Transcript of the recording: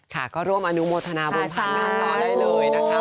ค่ะก็ร่วมอนุโมธนาบุญพาทนี่เลยนะครับ